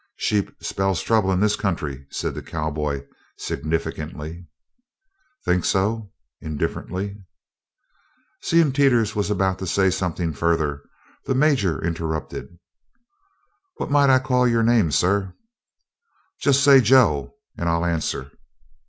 "Sheep spells 'trouble' in this country," said the cowboy, significantly. "Think so?" indifferently. Seeing Teeters was about to say something further, the Major interrupted: "What might I call your name, sir?" "Just say 'Joe,' and I'll answer."